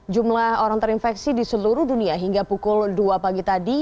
jumlah orang terinfeksi di seluruh dunia hingga pukul dua pagi tadi